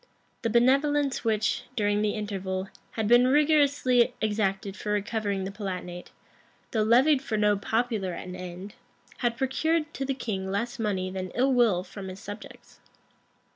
The benevolence which, during the interval, had been rigorously exacted for recovering the Palatinate, though levied for no popular an end, had procured to the king less money than ill will from his subjects.